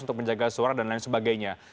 untuk menjaga suara dan lain sebagainya